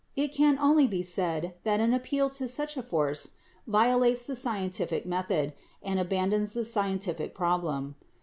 It can only be said that an appeal to such a force violates the scientific method, and abandons the scientific problem.